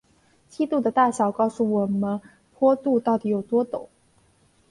梯度的大小告诉我们坡度到底有多陡。